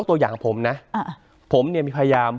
คุณลำซีมัน